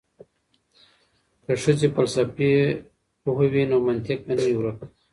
که ښځې فلسفه پوهې وي نو منطق به نه وي ورک.